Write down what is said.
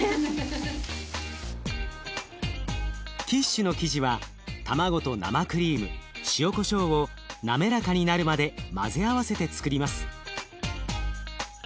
キッシュの生地は卵と生クリーム塩こしょうを滑らかになるまで混ぜ合わせてつくります。